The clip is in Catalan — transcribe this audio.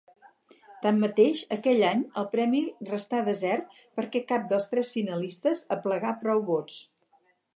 Tanmateix, aquell any el premi restà desert perquè cap dels tres finalistes aplegà prou vots.